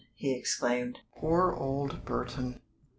he exclaimed. "Poor old Burton!"